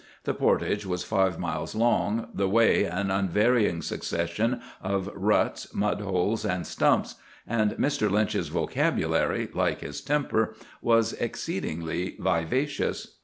The portage was five miles long, the way an unvarying succession of ruts, mud holes, and stumps, and Mr. Lynch's vocabulary, like his temper, was exceedingly vivacious.